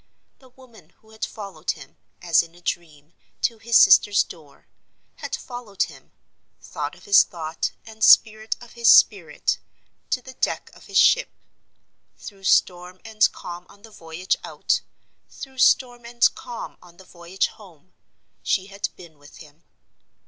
The woman who had followed him, as in a dream, to his sister's door, had followed him—thought of his thought, and spirit of his spirit—to the deck of his ship. Through storm and calm on the voyage out, through storm and calm on the voyage home, she had been with him.